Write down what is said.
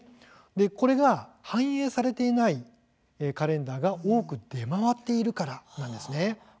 これが反映されていないカレンダーが多く出回っているからなんです。